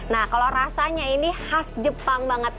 nah kalau rasanya ini khas jepang banget